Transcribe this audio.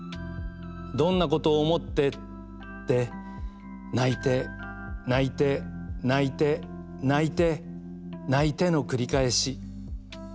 どんなことを思ってって泣いて泣いて泣いて泣いて泣いての繰り返し。